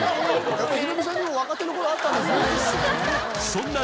やっぱヒロミさんにも若手の頃あったんですねあったんですよ